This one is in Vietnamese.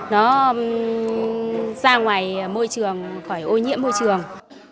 nó ra ngoài môi trường khỏi ô nhiễm môi trường